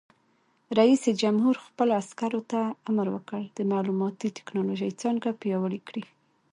رئیس جمهور خپلو عسکرو ته امر وکړ؛ د معلوماتي تکنالوژۍ څانګه پیاوړې کړئ!